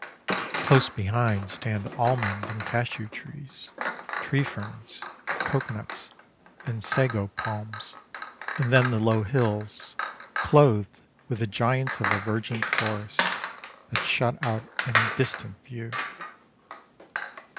Close behind stand almond and cashew trees, tree ferns, coconuts, and sago palms, and then the low hills, clothed with the giants of a virgin forest, that shut out any distant view.